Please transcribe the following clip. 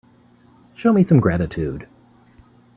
Show me some gratitude.